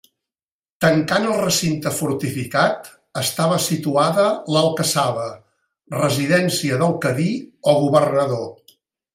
Tancant el recinte fortificat estava situada l'alcassaba, residència del Cadí o governador.